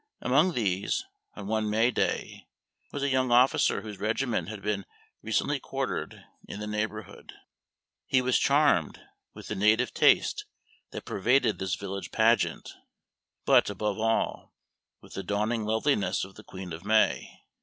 Among these, on one May day, was a young officer whose regiment had been recently quartered in the neighborhood. He was charmed with the native taste that pervaded this village pageant, but, above all, with the dawning loveliness of the queen of May.